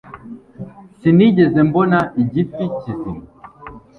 sinigeze mbona igifi kizima